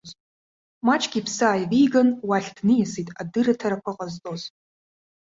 Маҷк иԥсы ааивиган, уахь дниасит адырраҭарақәа ҟазҵоз.